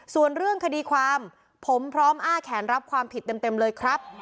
ส่วนเรื่องคดีความผมพร้อมอ้าแขนรับความผิดเต็มเลยครับ